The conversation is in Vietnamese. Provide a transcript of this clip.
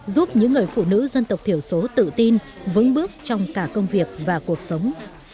giúp những người phụ nữ dân tộc thiểu số tự tin vững bước trong cả công việc và cuộc sống